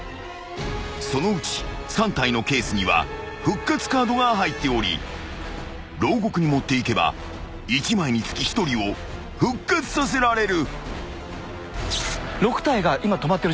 ［そのうち３体のケースには復活カードが入っており牢獄に持っていけば１枚につき１人を復活させられる］